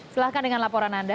silahkan dengan laporan anda